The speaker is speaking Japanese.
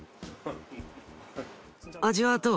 味はどう？